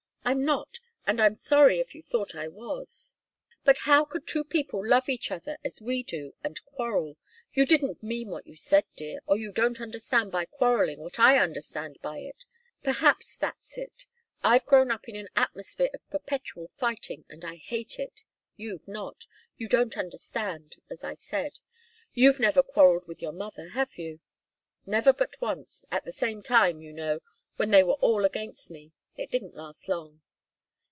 I'm not, and I'm sorry if you thought I was. But how could two people love each other as we do, and quarrel? You didn't mean what you said, dear, or you don't understand by quarrelling what I understand by it. Perhaps that's it. I've grown up in an atmosphere of perpetual fighting, and I hate it. You've not. You don't understand, as I said. You've never quarrelled with your mother, have you?" "Never but once at the same time, you know, when they were all against me. It didn't last long."